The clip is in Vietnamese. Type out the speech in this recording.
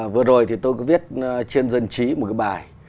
vừa rồi thì tôi có viết trên dân trí một cái bài